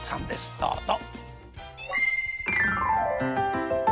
どうぞ。